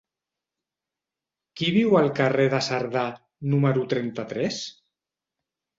Qui viu al carrer de Cerdà número trenta-tres?